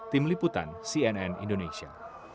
tim liputan cnn indonesia